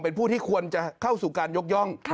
เป็นผู้ที่ควรจะเข้าสู่การยกย่อง